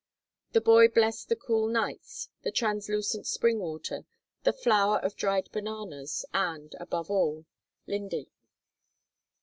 The boy blessed the cool nights, the translucent spring water, the flour of dried bananas, and, above all, Linde.